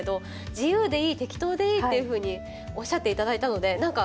自由でいい適当でいいっていうふうにおっしゃって頂いたのでなんか